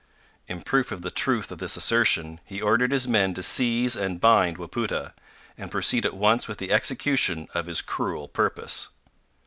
In proof of the truth of this assertion he ordered his men to seize and bind Wapoota, and proceed at once with the execution of his cruel purpose.